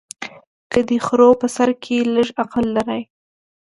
که دې خرو په سر کي لږ عقل لرلای